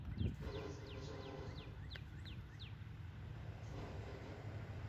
加里宁斯科耶市镇是俄罗斯联邦沃洛格达州托季马区所属的一个市镇。